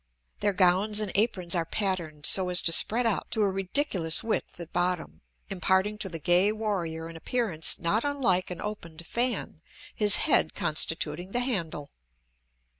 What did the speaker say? Their gowns and aprons are patterned so as to spread out to a ridiculous width at bottom, imparting to the gay warrior an appearance not unlike an opened fan, his head constituting the handle.